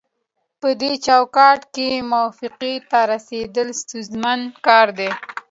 پدې چوکاټ کې موافقې ته رسیدل ستونزمن کار دی